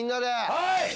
はい！